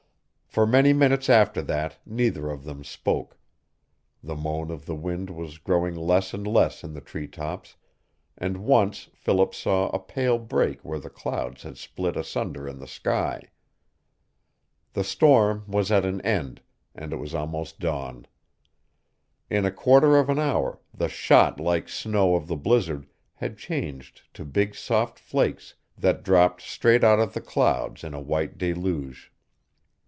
For many minutes after that neither of them spoke. The moan of the wind was growing less and less in the treetops, and once Philip saw a pale break where the clouds had split asunder in the sky. The storm was at an end and it was almost dawn. In a quarter of an hour the shot like snow of the blizzard had changed to big soft flakes that dropped straight out of the clouds in a white deluge.